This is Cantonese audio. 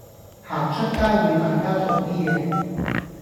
行出街會大家做啲嘢